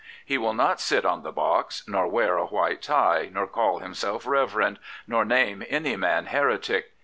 He will not sit on the box, nor wear a white tie, nor call himself Reverend," nor name any man heretic.